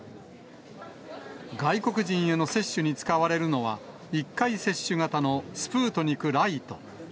外国人への接種に使われるのは、１回接種型のスプートニク・ライト。